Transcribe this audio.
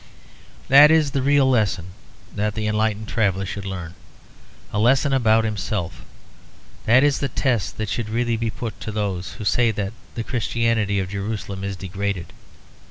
That is the real lesson that the enlightened traveller should learn; the lesson about himself. That is the test that should really be put to those who say that the Christianity of Jerusalem is degraded.